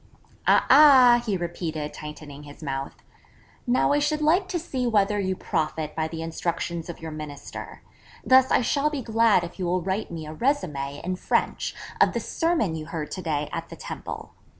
'A ah,' he repeated, tightening his mouth, 'now I should like to see whether you profit by the instructions of your Minister: Thus I shall be glad if you will write me a résumé in French of the sermon you heard to day at the Temple.